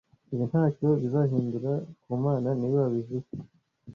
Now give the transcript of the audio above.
Ibi ntacyo bizahindura kamana niwe wabivuze